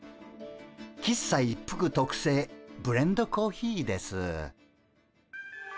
喫茶一服とくせいブレンドコーヒーです。